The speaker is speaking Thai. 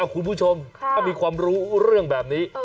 คุณผู้ชมถ้ามีความรู้เรื่องแบบนี้